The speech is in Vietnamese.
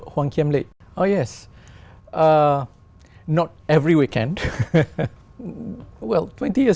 cố gắng để làm việc ở việt nam